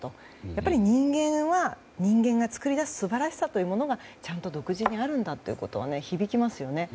やっぱり人間は人間が作り出す素晴らしさというものがちゃんと独自にあるんだという言葉は響きますよね。